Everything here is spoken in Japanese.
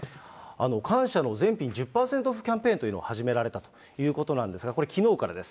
感謝の全品１０％オフキャンペーンというのを始められたということなんですが、これ、きのうからです。